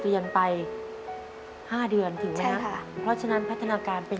เรียนไปห้าเดือนถูกไหมฮะค่ะเพราะฉะนั้นพัฒนาการเป็น